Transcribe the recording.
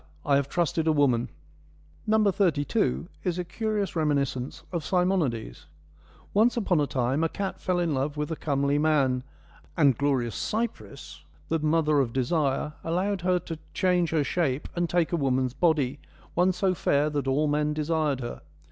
I have trusted a woman.' No. 32 is a curious reminiscence of Simonides : Once upon a time a cat fell in love with a comely man, and glorious Cypris, the mother of Desire, allowed her to change her shape and take a woman's body, one so fair that all men desired her.